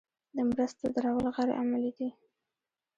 د مرستو درول غیر عملي دي.